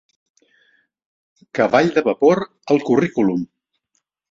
Cavall de vapor al currículum.